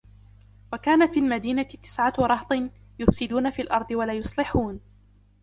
وَكَانَ فِي الْمَدِينَةِ تِسْعَةُ رَهْطٍ يُفْسِدُونَ فِي الْأَرْضِ وَلَا يُصْلِحُونَ